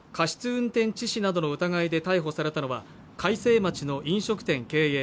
運転致死などの疑いで逮捕されたのは開成町の飲食店経営